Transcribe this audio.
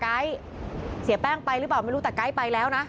ไก๊เสียแป้งไปหรือเปล่าไม่รู้แต่ไก๊ไปแล้วนะ